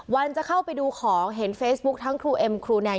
วันจะเข้าไปดูของเห็นเฟซบุ๊คทั้งครูเอ็มครูแนน